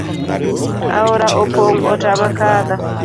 Aora opong' otama kadho